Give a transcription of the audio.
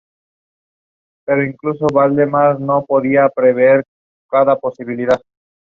He was the eldest son of Thomas de Multon and Ada de Morville.